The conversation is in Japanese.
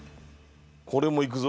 これもいくぞ。